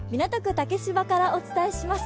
竹芝からお伝えします。